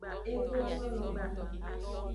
E donoalon ba.